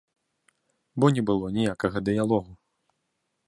Бо не было ніякага дыялогу.